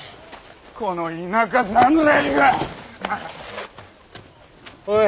この田舎侍が！おい。